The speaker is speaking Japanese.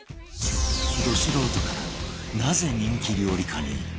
ド素人からなぜ人気料理家に？